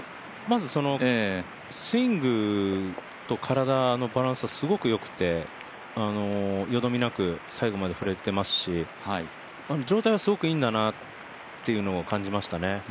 スイングと体のバランスがすごく良くてよどみなく最後まで振れていますし状態はすごくいいんだなっていうのを感じましたね。